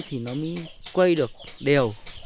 thì nó mới quay được đều